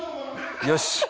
よし！